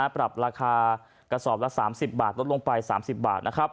ปรับราคากระสอบละ๓๐บาทลดลงไป๓๐บาท